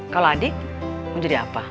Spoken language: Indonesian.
kalau adik mau jadi apa